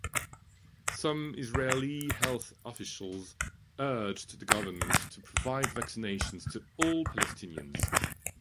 Some Israeli health officials urged the government to provide vaccinations to all Palestinians.